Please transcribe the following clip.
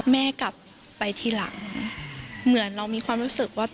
แม่กลับไปทีหลังเหมือนเรามีความรู้สึกว่า